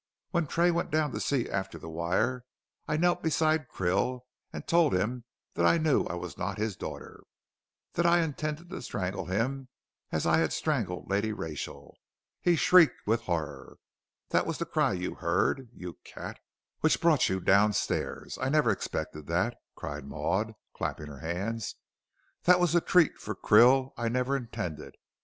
When Tray went down to see after the wire, I knelt beside Krill and told him that I knew I was not his daughter, that I intended to strangle him as I had strangled Lady Rachel. He shrieked with horror. That was the cry you heard, you cat, and which brought you downstairs. I never expected that," cried Maud, clapping her hands; "that was a treat for Krill I never intended.